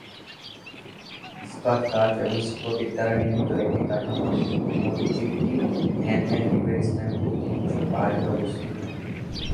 ইস্পাত, কাঁচ এবং স্ফটিক দ্বারা নির্মিত একটি কাঠামো, মসজিদটি ভ্যান ম্যান দ্বীপের ইসলামিক ঐতিহ্য পার্কে অবস্থিত।